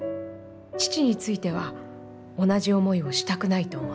父については、同じ思いをしたくないと思った」。